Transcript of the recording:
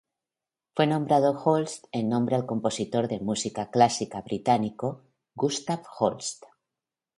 Fue nombrado Holst en honor al compositor de música clásica británico Gustav Holst.